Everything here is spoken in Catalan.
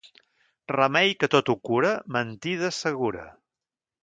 Remei que tot ho cura, mentida segura.